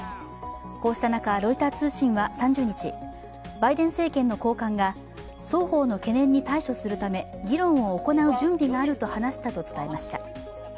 こうした中、ロイター通信は３０日、バイデン政権の高官が双方の懸念に対処するため、議論を行う準備があると話したと伝えました。